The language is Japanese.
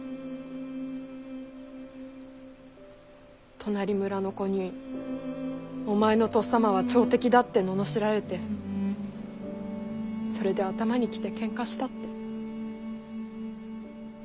隣村の子に「お前のとっさまは朝敵だ」って罵られてそれで頭にきてけんかしたって。